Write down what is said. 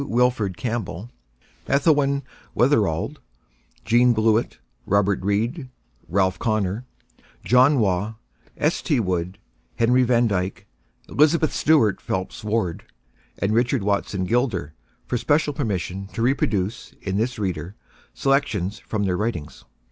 Wilfred Campbell, Ethelwyn Wetherald, Jean Blewett, Robert Reid, "Ralph Connor," John Waugh, S. T. Wood; Henry Van Dyke, Elizabeth Stuart Phelps Ward, and Richard Watson Gilder for special permission to reproduce, in this Reader, selections from their writings.